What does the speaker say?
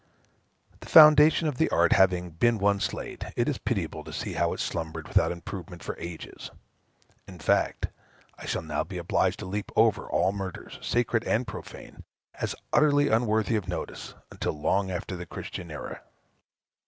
The foundation of the art having been once laid, it is pitiable to see how it slumbered without improvement for ages. In fact, I shall now be obliged to leap over all murders, sacred and profane, as utterly unworthy of notice, until long after the Christian era.